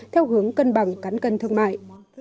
theo hướng cân bằng cắn cân thương mại